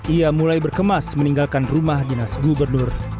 ia mulai berkemas meninggalkan rumah dinas gubernur